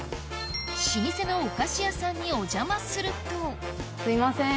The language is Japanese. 老舗のお菓子屋さんにお邪魔するとすいません